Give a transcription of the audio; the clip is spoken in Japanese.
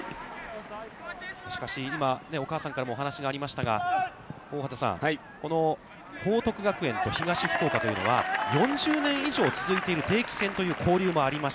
しかし、今お母さんからもお話がありましたが、大畑さん、この報徳学園と東福岡というのは、４０年以上続いているという定期戦という交流もあります。